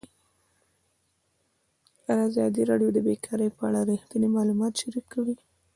ازادي راډیو د بیکاري په اړه رښتیني معلومات شریک کړي.